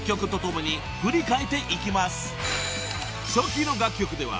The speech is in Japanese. ［初期の楽曲では］